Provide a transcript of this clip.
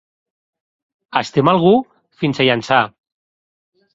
Estimar algú fins a Llançà.